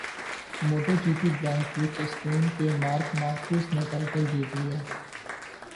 motto G P grand prix Spain کے Marc Marquez نےٹائٹل جیت لیا